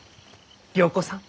良子さん